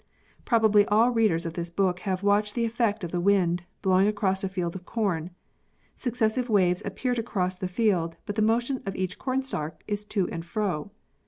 Probably all readers of this book have watched the effect of the wind, blowing across a field of corn. Successive waves appear to cross the field, but the motion of each cornstalk is to and fro.